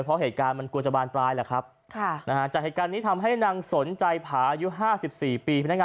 เพราะเหตุการณ์มันกลัวจะบานตายครับจากเหตุการณ์นี้ทำให้นางสนใจผายู้๕๔ปี